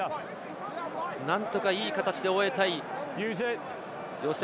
何とかいい形で終えたい予選